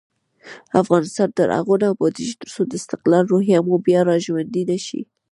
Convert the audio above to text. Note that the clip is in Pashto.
افغانستان تر هغو نه ابادیږي، ترڅو د استقلال روحیه مو بیا راژوندۍ نشي.